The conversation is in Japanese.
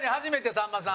さんまさん。